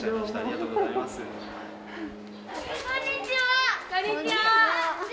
こんにちは。